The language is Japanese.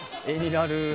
絵になる。